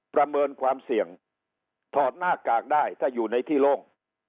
ประเมินความเสี่ยงถอดหน้ากากได้ถ้าอยู่ในที่โล่ง